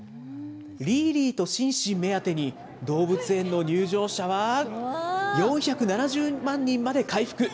リーリーとシンシン目当てに、動物園の入場者は４７０万人まで回復。